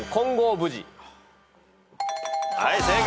はい正解。